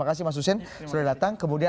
agar mengambil resiko terhadap indonesia